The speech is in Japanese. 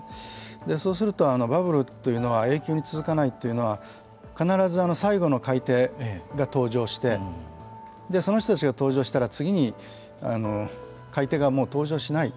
そうすると、バブルというのは永久に続かないというのは必ず最後の買い手が登場してその人たちが登場したら次に買い手がもう登場しないと。